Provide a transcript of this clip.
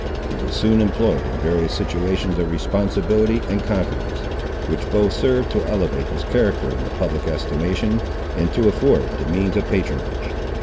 He was soon employed in various situations of responsibility and confidence, which both served to elevate his character in the public estimation, and to afford the means of patronage.